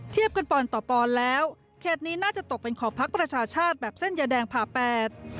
เทียบกันปอนต่อปอนด์แล้วเขตนี้น่าจะตกเป็นของพักประชาชาติแบบเส้นยาแดงผ่าแปด